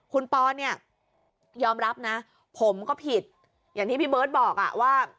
คุณปอนเนี่ยยอมรับนะผมก็ผิดอย่างที่พี่เบิร์ตบอกอ่ะว่า